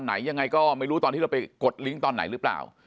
ไหนยังไงก็ไม่รู้ตอนที่เราไปกดลิงก์ตอนไหนหรือเปล่า